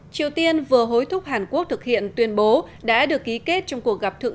triều tiên vừa hối thúc hàn quốc thực hiện tuyên bố đã được ký kết trong cuộc gặp thượng